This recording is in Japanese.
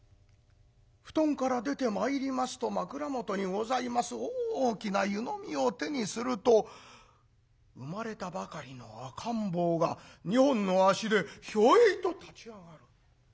布団から出てまいりますと枕元にございます大きな湯飲みを手にすると生まれたばかりの赤ん坊が２本の足でひょいと立ち上がる。